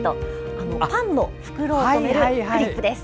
パンの袋を留めるクリップです。